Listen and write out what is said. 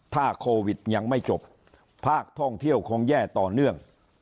ถ้าโควิดยังไม่จบภาคท่องเที่ยวคงแย่ต่อเนื่อง